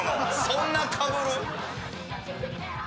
そんなかぶる？